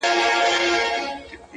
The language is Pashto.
• جاله هم سوله پر خپل لوري روانه -